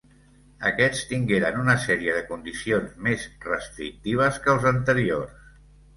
Aquests tingueren una sèrie de condicions més restrictives que els anteriors.